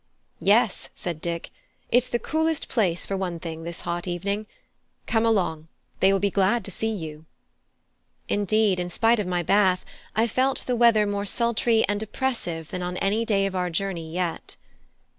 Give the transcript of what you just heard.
"Yes," said Dick, "it's the coolest place for one thing, this hot evening. Come along; they will be glad to see you." Indeed, in spite of my bath, I felt the weather more sultry and oppressive than on any day of our journey yet.